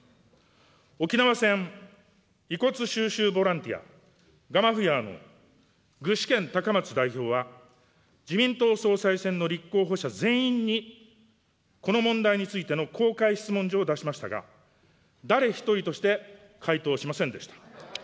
沖縄戦遺骨収集ボランティア、ガマフヤーの具志堅隆松代表は、自民党総裁選の立候補者全員に、この問題についての公開質問状を出しましたが、誰一人として回答しませんでした。